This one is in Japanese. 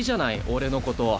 俺のこと。